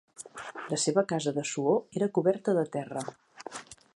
La seva casa de suor era coberta de terra.